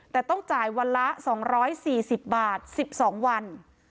แต่ต้องจ่ายวันละ๒๔๐บาท๑๒วัน